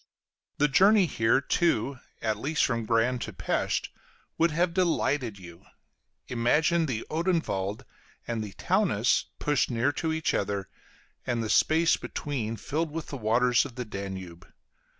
The journey here, too, at least from Gran to Pesth, would have delighted you. Imagine the Odenwald and the Taunus pushed near to each other, and the space between filled with the waters of the Danube.